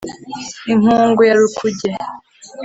inkungu ya rukuge,